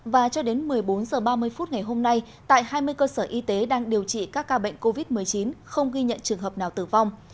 và cho đến một mươi bốn h ba mươi phút ngày hôm nay tại hai mươi cơ sở y tế đang điều trị các ca bệnh covid một mươi chín không ghi nhận trường hợp nào tử vong